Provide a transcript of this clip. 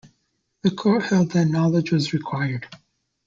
The Court held that knowledge was required.